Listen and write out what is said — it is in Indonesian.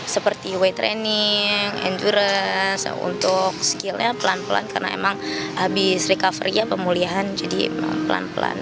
seperti way training endurance untuk skillnya pelan pelan karena emang habis recovery ya pemulihan jadi pelan pelan